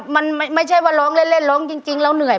มันไม่ใช่ว่าร้องเล่นร้องจริงแล้วเหนื่อย